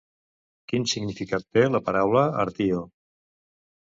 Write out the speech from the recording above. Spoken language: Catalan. Quin significat té la paraula Artio?